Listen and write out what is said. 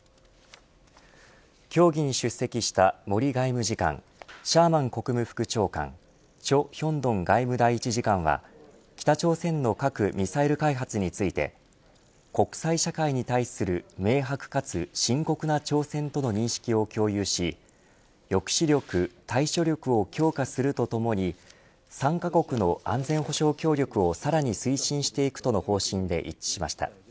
協議に出席した森外務次官シャーマン国務副長官趙賢東外務第１次官は北朝鮮の核・ミサイル開発について国際社会に対する明白かつ深刻な挑戦との認識を共有し抑止力対処力を強化するとともに３カ国の安全保障協力をさらに推進していくとの方針で一致しました。